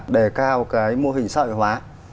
đề cao cái mô hình sợi hóa